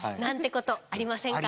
ことありませんか？